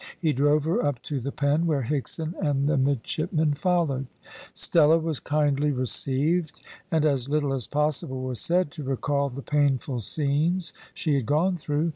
He drove her up to the Pen, where Higson and the midshipmen followed. Stella was kindly received, and as little as possible was said to recall the painful scenes she had gone through.